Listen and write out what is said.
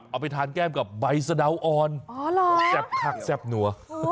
เอาไปทานแก้มกับใบสะดาวอ่อนแซ่บผักแซ่บนัว